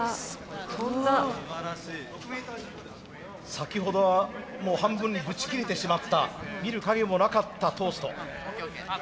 先ほどはもう半分にぶち切れてしまった見る影もなかったトースト。